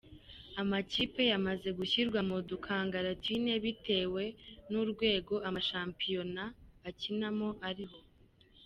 Amakipe yamaze gushyirwa mu dukangara tune bitewe n’urwego amashampiyona akinamo ariho.